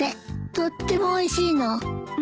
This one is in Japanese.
とってもおいしいの。